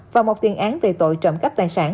và một tiền án về tội trộm cắp tài sản